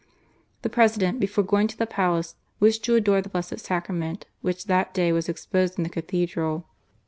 The President, before going to the Palace, wished to adore the Blessed Sacrament which that day was exposed in the Cathedral.